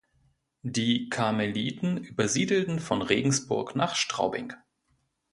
Die Karmeliten übersiedelten von Regensburg nach Straubing.